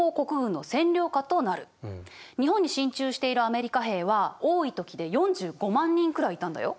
日本に進駐しているアメリカ兵は多い時で４５万人くらいいたんだよ。